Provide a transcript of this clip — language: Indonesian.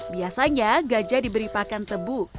biasanya gajah diberi pakan tebu